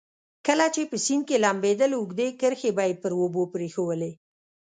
کله چې په سیند کې لمبېدل اوږدې کرښې به یې پر اوبو پرېښوولې.